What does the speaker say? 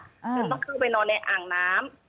จนต้องเข้าไปนอนในอ่างน้ำ